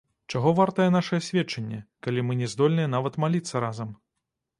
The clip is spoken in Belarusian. Чаго вартае наша сведчанне, калі мы не здольныя нават маліцца разам?